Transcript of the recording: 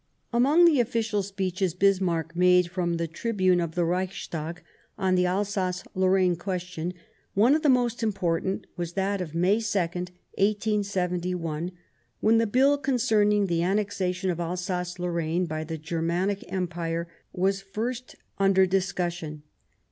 Among the official speeches Bismarck made from the tribune of the Reichstag on the Alsace Lorraine question, one of the most important was that of May 2nd, 1871, when the bill concerning the annexation of Alsace Lorraine by the Germanic Empire was first under discussion.